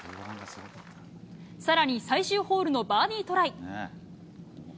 さらに最終ホールのバーディートライ。